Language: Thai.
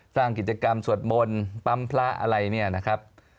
สร้างกิจกรรมสวดมนต์ปั๊มพระอะไรเนี่ยนะครับ